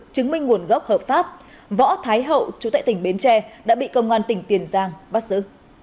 chứng minh nguồn gốc hợp pháp võ thái hậu chú tại tỉnh bến tre đã bị công an tỉnh tiền giang bắt giữ